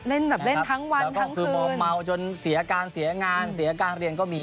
เล่นแบบเล่นทั้งวันทั้งคืนแล้วก็คือมอบเมาจนเสียอาการเสียงานเสียอาการเรียนก็มี